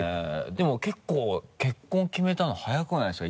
でも結構結婚決めたの早くないですか？